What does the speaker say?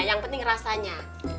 yang penting rasanya